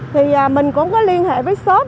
thì mình cũng có liên hệ với shop